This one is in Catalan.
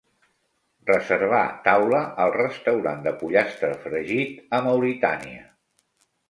Reservar taula al restaurant de pollastre fregit a Mauritània